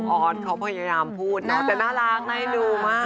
น้องออสเขาพยายามพูดนะแต่น่ารักนะให้ดูมาก